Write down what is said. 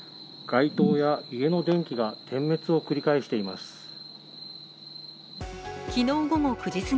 街灯や家の電気が点滅を繰り返しています。